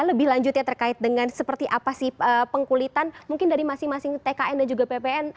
lebih lanjutnya terkait dengan seperti apa sih pengkulitan mungkin dari masing masing tkn dan juga ppn